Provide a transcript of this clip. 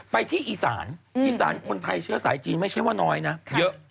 ไปที่อีสานอีสานคนไทยเชื้อสายจีนไม่ใช่ว่าน้อยนะเยอะ